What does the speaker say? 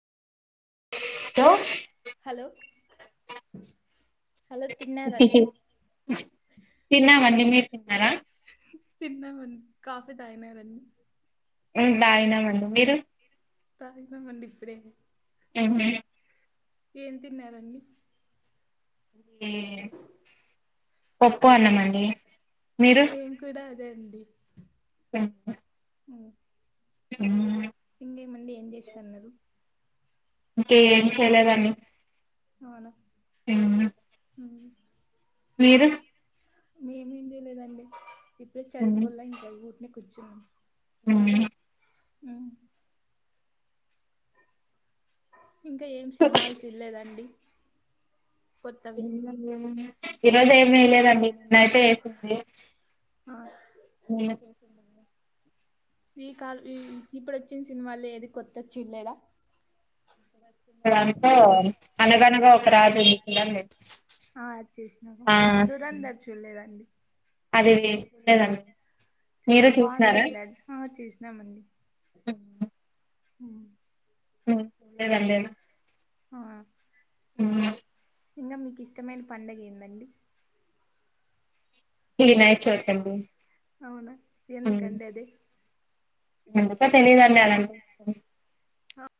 త hello hello తిన్నారండి tiffin తన్నా మండి మీరు తిన్నార తన్నమ్ అండి కాఫి తాగినా ఈ రోజు మేమే బానే ఉనామండి మీరు తయిత మండి ఇప్పుడే ఏం పేరు ఏం తిన్నారండి ఏ పప్పు అన్నం మండి మీరు మేము కూడా అదే అండి పే అవు ఉ ఇింకేమండి ఏం చేస్తన్నారు ఇంకే ఏం చేయలేదండి అవున అ అవును మీరు మే మేమ్ చేయ్లేదండి ఇప్పుడే చదుకోల్లె ఇంకా [inaudible] ఊహు మ్ ఇంక ఏమ్ సినిమాల్ చూల్లేదండి ఏమ్ లేవ్ ఏమున్నాయి. ఈరోజు ఏమి వేయలేదండి నిన్నయితే వేసింది ఆ లేద ఈ కాల్ ఈ ఇప్పుడు వచ్చిన సినిమాల్లో ఏది కొత్తది చూడలేదా స [unintelligible] అనగనగా ఒక రాజు చూడండి ఆ చూసినము ఆ దురంధర్ చూడలేదండి అదేదండి [unintelligible] చ బాగుందండి ఆ చేస్తా [unintelligible] చిమంది [unintelligible] అ అ తందేదందేనా [unintelligible] ఆ ఇంకా మీకు ఇష్టమైన పండగ ఏదండి హనాయ చౌతడి అవునా [unintelligible] ఎందుకండి అది హ్మ్ ఇంకా తెలీదండి అలా [unintelligible] ఆ